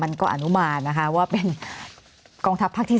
มันก็อนุมานนะคะว่าเป็นกองทัพภาคที่๓